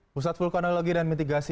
pusat vulkanologi dan mitigasi